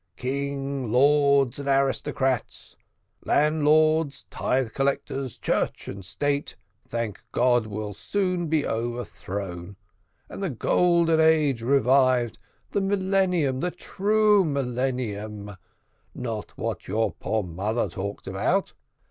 King, lords, and aristocrats; landholders, tithe collectors, church and state, thank God, will soon be overthrown, and the golden age revived the millennium, the true millennium not what your poor mother talked about.